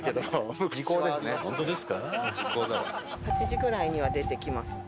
８時ぐらいには出てきます。